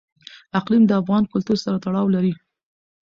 اقلیم د افغان کلتور سره تړاو لري.